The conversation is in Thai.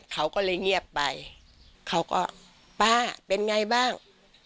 เขาก็เลยเงียบไปเขาก็ป้าเป็นไงบ้าง